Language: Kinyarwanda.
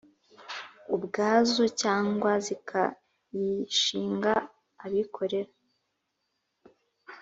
ubwazo cyangwa zikayishinga abikorera